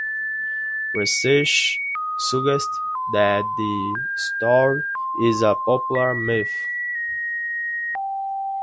Research suggests that the story is a popular myth.